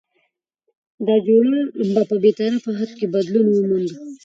دا جوړه په بې طرفه حد کې بدلون وموند؛